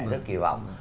rất kỳ vọng